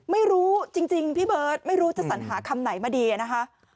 ไม่รู้จริงพี่เบิร์ตไม่รู้จะสัญหาคำไหนมาดีอะนะคะ